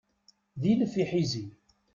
D ilef iḥizi.